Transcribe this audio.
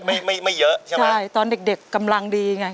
ไม่เยอะใช่ไหมครับใช่ตอนเด็กกำลังดีไง